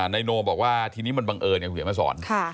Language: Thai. นายโนบอกว่าทีนี้มันบังเอิญอย่างที่เห็นมาสอน